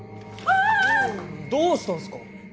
おおどうしたんすか。